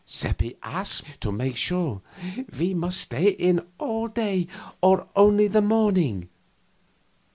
Seppi asked, to make sure: "Must he stay in all day, or only the morning?"